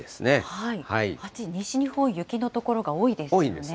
西日本、雪の所が多いですね。